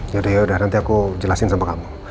yaudah yaudah nanti aku jelasin sama kamu